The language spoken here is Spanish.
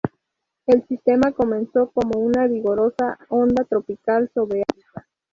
El sistema comenzó como una vigorosa onda tropical sobre África.